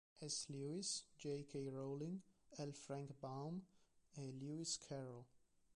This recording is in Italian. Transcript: S. Lewis, J. K. Rowling, L. Frank Baum e Lewis Carroll.